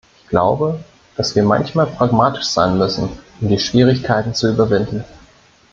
Ich glaube, dass wir manchmal pragmatisch sein müssen, um die Schwierigkeiten zu überwinden.